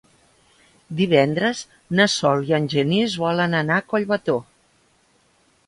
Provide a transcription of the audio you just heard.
Divendres na Sol i en Genís volen anar a Collbató.